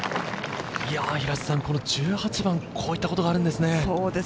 この１８番、こういったことがあるんですね。